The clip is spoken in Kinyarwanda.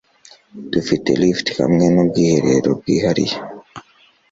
Dufite lift hamwe n'ubwiherero bwihariye.